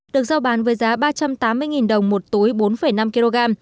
được giao bán với giá ba trăm tám mươi vnd